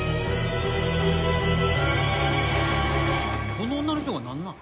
この女の人がなんなん？